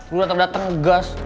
sudah terdata ngegas